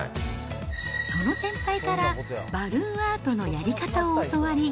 その先輩から、バルーンアートのやり方を教わり。